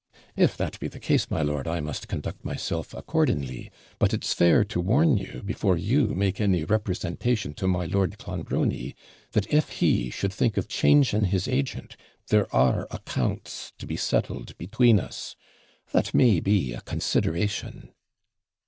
'If that be the case, my lord, I must conduct myself accordingly; but it's fair to warn you, before you make any representation to my Lord Clonbrony, that if he should think of changing his agent, there are accounts to be settled between us that may be a consideration.'